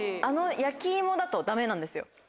あの焼き芋だとダメなんですよ。